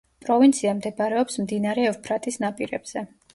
პროვინცია მდებარეობს მდინარე ევფრატის ნაპირებზე.